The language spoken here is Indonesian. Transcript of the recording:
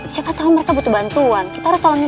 siapa tahu mofso butuh bantuan kita massachusetts